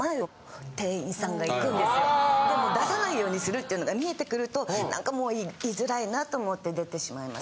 出さないようにするっていうのが見えてくると何かもう居づらいなと思って出てしまいます。